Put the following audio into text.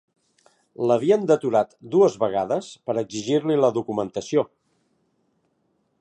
L'havien deturat dues vegades per exigir-li la documentació